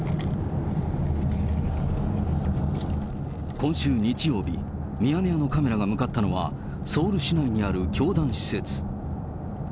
今週日曜日、ミヤネ屋のカメラが向かったのは、ソウル市内にある教団施設。